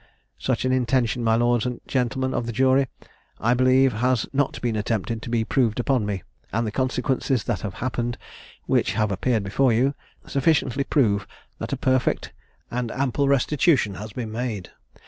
Such an intention, my lords and gentlemen of the jury, I believe, has not been attempted to be proved upon me, and the consequences that have happened, which have appeared before you, sufficiently prove that a perfect and ample restitution has been made.